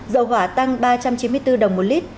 dầu hỏa tăng ba trăm chín mươi bốn đồng một lít